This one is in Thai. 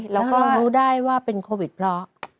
แล้วเรารู้ได้ว่าเป็นโควิดเพราะ